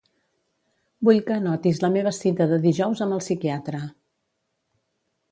Vull que anotis la meva cita de dijous amb el psiquiatre.